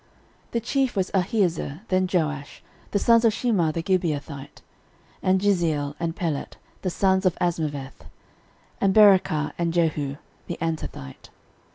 13:012:003 The chief was Ahiezer, then Joash, the sons of Shemaah the Gibeathite; and Jeziel, and Pelet, the sons of Azmaveth; and Berachah, and Jehu the Antothite.